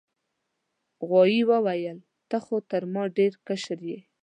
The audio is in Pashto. غوايي وویل ته خو تر ما ډیر کشر یې.